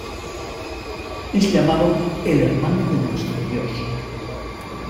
Es llamado el "hermano de nuestro Dios".